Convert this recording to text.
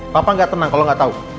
papa gak tenang kalau gak tahu